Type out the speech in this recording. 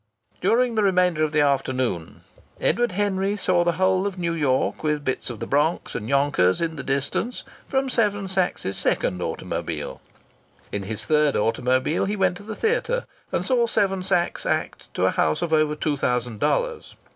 During the remainder of the afternoon Edward Henry saw the whole of New York, with bits of the Bronx and Yonkers in the distance, from Seven Sachs's second automobile. In his third automobile he went to the theatre and saw Seven Sachs act to a house of over two thousand dollars.